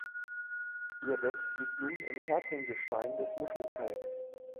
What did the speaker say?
Ihr Bett liegt nun im härteren Gestein des Muschelkalks.